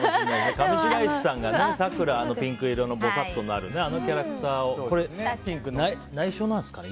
上白石さんがさくら、ピンク色のぼさっとなるあのキャラクターをね。内緒なんですかね？